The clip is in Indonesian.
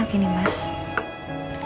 aku juga lagi sama panino